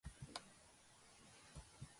დაკრძალულია შიომღვიმის მამათა მონასტერში.